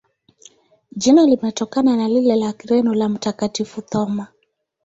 Jina limetokana na lile la Kireno la Mtakatifu Thoma.